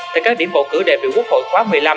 tại các điểm bầu cử đại biểu quốc hội khóa một mươi năm